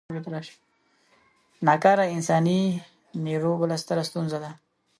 نا کاره انساني نیرو بله ستره ستونزه ده.